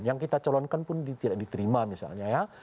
yang kita calonkan pun tidak diterima misalnya ya